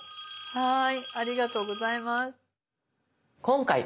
はい。